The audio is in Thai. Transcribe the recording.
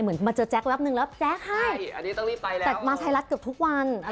เหมือนมาเจอแจ๊กแปปหนึ่งแล้วก็แจ๊กให้แต่มาที่ไทรัศน์เกือบทุกวัน